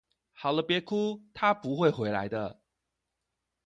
好了別哭，他不會回來的